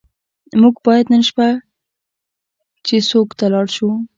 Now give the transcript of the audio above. موږ باید نن شپه چیسوک ته لاړ شو.